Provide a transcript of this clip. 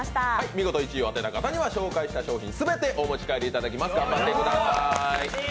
見事１位を当てた方には紹介した商品、全てお持ち帰りいただきます。